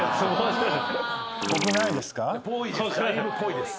ぽいです。